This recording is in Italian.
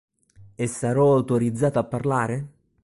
E sarò autorizzato a parlare?